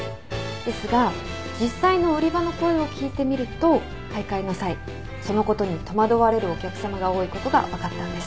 ですが実際の売り場の声を聞いてみると買い替えの際そのことに戸惑われるお客さまが多いことが分かったんです。